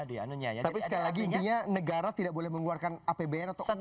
tapi sekali lagi intinya negara tidak boleh mengeluarkan apbn atau uang